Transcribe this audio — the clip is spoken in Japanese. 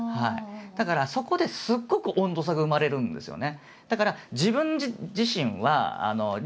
だからそこですごく温度差が生まれるんですよね。